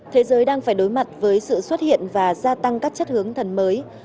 thế giới đang phải đối mặt với sự xuất hiện và gia tăng các chất hướng thần mới